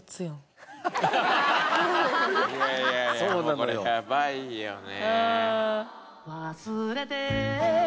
これやばいよね。